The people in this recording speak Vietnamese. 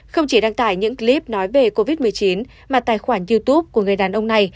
không chỉ đăng tải những clip nói về covid một mươi chín mà tài khoản youtube của người đàn ông này